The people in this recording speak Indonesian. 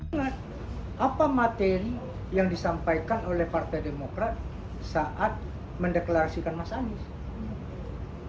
ingat apa materi yang disampaikan oleh partai demokrat saat mendeklarasikan mas anies